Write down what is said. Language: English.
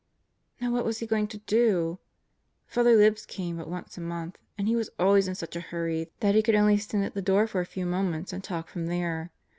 Now what was he going to do? Father Libs came but once a month, and he was always in such a hurry that he could only stand at the door for a few moments and talk from there.